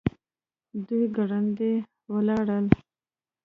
دوی ګړندي ولاړل.